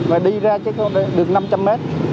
và đi ra chứ không được năm trăm linh mét